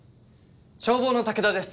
消防の武田です。